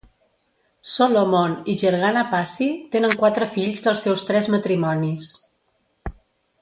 Solomon i Gergana Passy tenen quatre fills del seus tres matrimonis.